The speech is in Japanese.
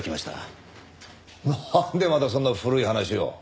なんでまたそんな古い話を。